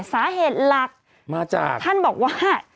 สาเหตุหลักท่านบอกว่า